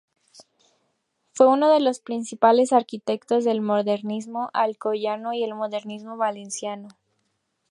Fue uno de los principales arquitectos del modernismo alcoyano y del modernismo valenciano.